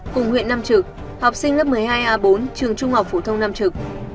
cùng huyện nam trực học sinh lớp một mươi hai a bốn trường trung học phổ thông nam trực